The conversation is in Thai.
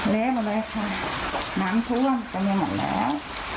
เละหมดเลยค่ะน้ำท่วมตังเยอะหมดแล้ว